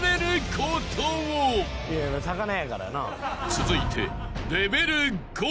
［続いて］